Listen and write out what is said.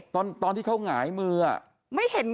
ตอนที่เค้าหงายมืออ่ะ